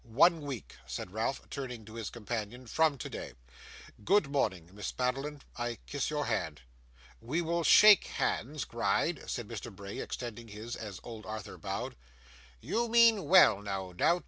'One week,' said Ralph, turning to his companion, 'from today. Good morning. Miss Madeline, I kiss your hand.' 'We will shake hands, Gride,' said Mr. Bray, extending his, as old Arthur bowed. 'You mean well, no doubt.